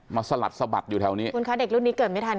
สลัดสะบัดอยู่แถวนี้คุณคะเด็กรุ่นนี้เกิดไม่ทัน